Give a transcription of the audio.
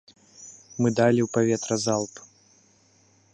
Мы далі ў паветра залп.